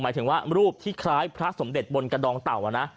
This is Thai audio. หมายถึงว่ารูปที่คล้ายพระสมเด็จบนกระดองเต่านะ